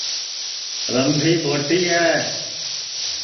رمبھی بھوٹی ہے